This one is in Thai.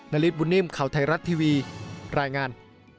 ฤทธบุญนิ่มข่าวไทยรัฐทีวีรายงาน